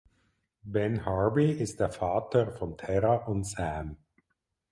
Ben Harvey ist der Vater von Terra und Sam.